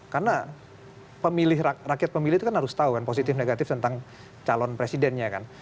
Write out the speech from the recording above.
karena pemilih rakyat pemilih itu kan harus tahu kan positif negatif tentang calon presidennya kan